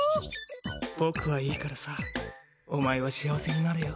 ボクはいいからさおまえは幸せになれよ。